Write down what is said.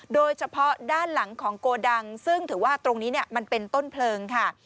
โดยเฉพาะด้านหลังของโกดังซึ่งถือว่าตรงนี้มันเป็นต้นเพลิงค่ะ